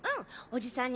おじさん